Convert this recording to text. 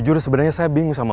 kita mau main apa